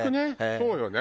そうよね。